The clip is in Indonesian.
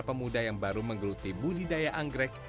pemuda yang baru menggeluti budidaya anggrek